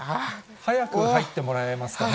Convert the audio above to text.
早く入ってもらえますかね？